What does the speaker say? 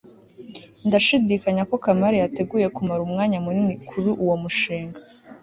ndashidikanya ko kamali yateguye kumara umwanya munini kuri uwo mushinga